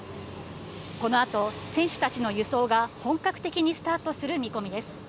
このあと、選手たちの輸送が本格的にスタートする見込みです。